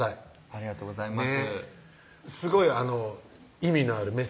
ありがとうございます